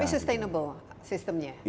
tapi sustainable sistemnya